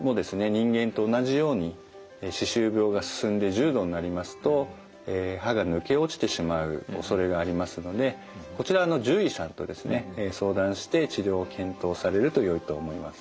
人間と同じように歯周病が進んで重度になりますと歯が抜け落ちてしまうおそれがありますのでこちらはあの獣医さんとですね相談して治療を検討されるとよいと思います。